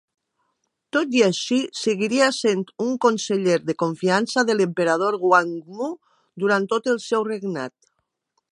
Tot i així, seguiria sent un conseller de confiança de l'emperador Guangwu durant tot el seu regnat.